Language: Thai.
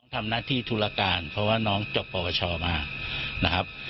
ทำหน้าที่ธุรการเพราะว่าน้องจบปวชมานะครับ